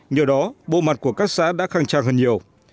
nhờ đó bộ mặt của các xã đã khăng trang hơn nhiều